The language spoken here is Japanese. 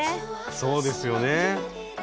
そうですよね。